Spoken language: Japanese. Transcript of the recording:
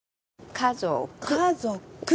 家族。